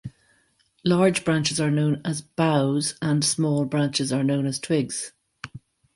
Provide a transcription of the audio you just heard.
Large branches are known as boughs and small branches are known as twigs.